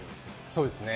そうですね。